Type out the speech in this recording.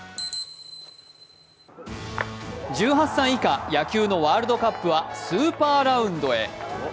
１８歳以下、野球のワールドカップはスーパーラウンドへ。